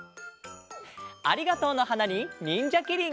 「ありがとうの花」に「にんじゃきりん」。